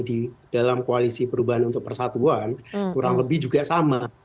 di dalam koalisi perubahan untuk persatuan kurang lebih juga sama